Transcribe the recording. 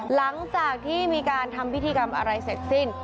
หลังจากที่มีการทำพิธีกรรมอะไรเสร็จสิ้น